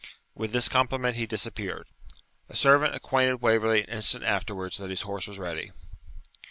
With this compliment he disappeared. A servant acquainted Waverley an instant afterwards that his horse was ready.